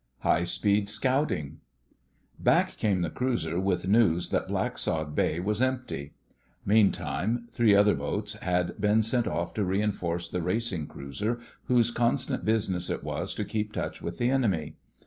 HIGH SPEED SCOUTING Back came the cruiser with news that Blacksod Bay was empty. Meantime three other boats had been sent off to reinforce the racing cruiser whose constant business it was to keep touch with the enemy.